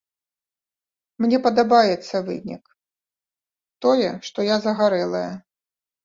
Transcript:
Мне падабаецца вынік, тое, што я загарэлая.